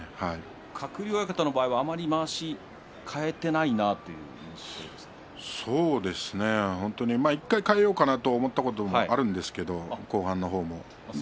鶴竜親方の場合はあまりまわしを替えていないなそうですね、１回替えようかなと思ったこともあるんですけれど、後半の方で。